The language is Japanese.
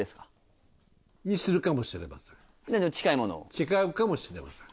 違うかもしれません。